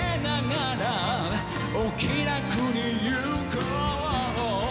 「お気楽に行こう」